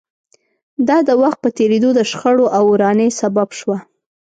دا د وخت په تېرېدو د شخړو او ورانۍ سبب شوه